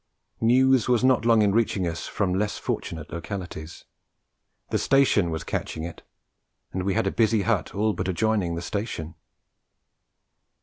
News was not long in reaching us from less fortunate localities. The station was catching it; and we had a busy hut all but adjoining the station.